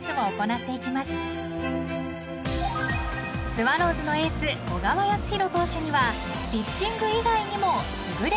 ［スワローズのエース小川泰弘投手にはピッチング以外にも優れた技があります］